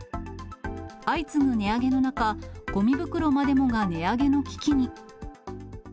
相次ぐ値上げの中、ごみ袋までもが値上げの危機に。